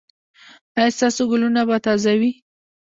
ایا ستاسو ګلونه به تازه وي؟